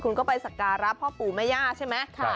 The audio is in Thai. กูไปไปศักยารับพ่อปู่แม่ญาติใช่ไหม